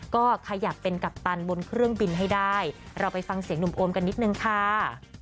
ก็ขยับเป็นกัปตันบนเครื่องบินให้ได้เราไปฟังเสียงหนุ่มโอมกันนิดนึงค่ะ